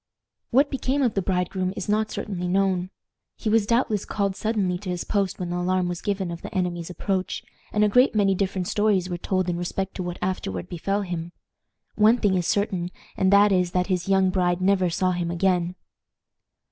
What became of the bridegroom is not certainly known. He was doubtless called suddenly to his post when the alarm was given of the enemy's approach, and a great many different stories were told in respect to what afterward befell him. One thing is certain, and that is, that his young bride never saw him again.